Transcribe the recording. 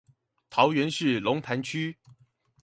桃園市龍潭區